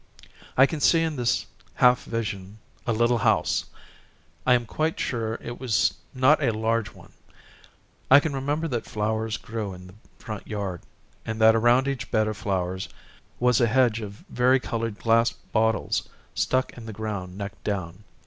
I can see in this half vision a little house I am quite sure it was not a large one I can remember that flowers grew in the front yard, and that around each bed of flowers was a hedge of vari colored glass bottles stuck in the ground neck down.